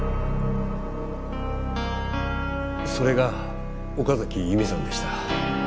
それが岡崎由美さんでした。